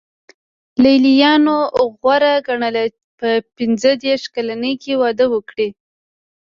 لېلیانو غوره ګڼله په پنځه دېرش کلنۍ کې واده وکړي.